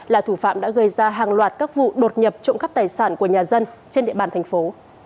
là thủ phạm đã gây ra hàng loạt các vụ đột nhập trộm cắp tài sản của nhà dân trên địa bàn thành phố